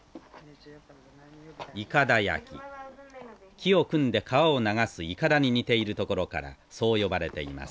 木を組んで川を流すいかだに似ているところからそう呼ばれています。